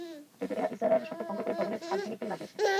কিন্তু এরা ইজারার শর্ত ভঙ্গ করে ভবনের ছাদ ভেঙে টিন লাগিয়েছে।